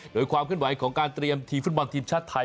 โดยความเคลื่อนไหวของการเตรียมทีมฟุตบอลทีมชาติไทย